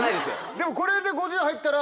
でもこれで５０入ったら。